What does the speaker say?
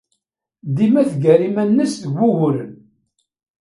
Dima teggar iman-nnes deg wuguren.